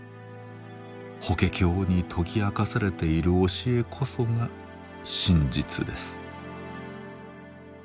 法華経に説き明かされている教えこそが真実です。